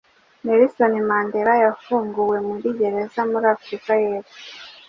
Nelson Mandela yafunguwe muri gereza muri Afurika y’Epfo